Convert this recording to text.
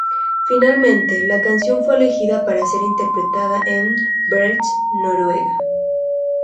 Finalmente, la canción fue elegida para ser interpretada en Bergen, Noruega.